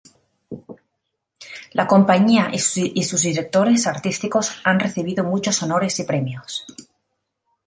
La compañía y sus directores artísticos han recibido muchos honores y premios.